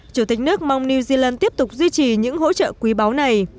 chủ tịch nước mong new zealand tiếp tục duy trì những hỗ trợ quý báu này